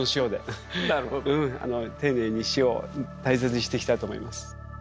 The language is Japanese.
うん丁寧に塩を大切にしていきたいと思います。